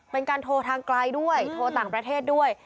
เป็นการโทรทางไกลด้วยโทรต่างประเทศด้วย